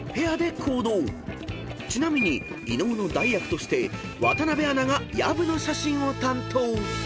［ちなみに伊野尾の代役として渡辺アナが薮の写真を担当］